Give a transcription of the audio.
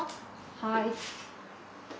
はい。